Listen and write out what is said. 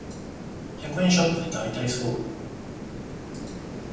百円ショップでだいたいそろう